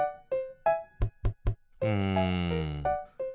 うん。